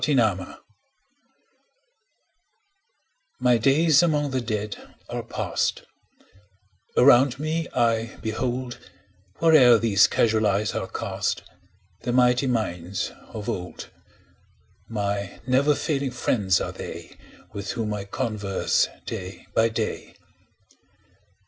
His Books MY days among the Dead are past; Around me I behold, Where'er these casual eyes are cast, The mighty minds of old: My never failing friends are they, 5 With whom I converse day by day.